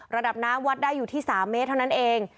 ระดับน้ำวัดได้อยู่ที่๓เมตรเท่านั้นเอง